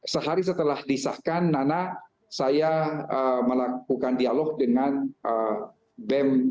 sehari setelah disahkan nana saya melakukan dialog dengan bem